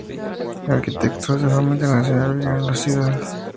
Arquitectos de fama internacional vinieron a la ciudad para su reconstrucción.